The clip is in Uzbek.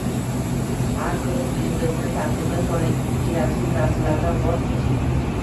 Har kuni uyingizni tartibga soling, keraksiz narsalardan voz keching.